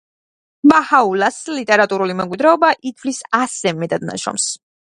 ბაჰაულას ლიტერატურული მემკვიდრეობა ითვლის ასზე მეტად ნაშრომს.